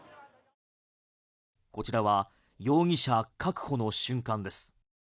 こちらは容疑者確保の瞬間です。